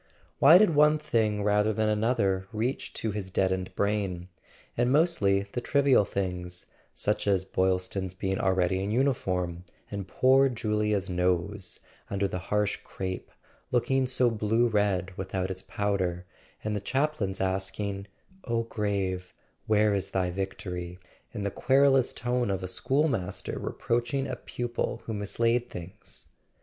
Why did one thing rather than another reach to his deadened brain, and mostly the trivial things, such as Boylston's being already in uniform, and poor Julia's nose, under the harsh crape, looking so blue red without its powder, and the chaplain's asking "O grave, where is thy vic¬ tory?" in the querulous tone of a schoolmaster re¬ proaching a pupil who mislaid things?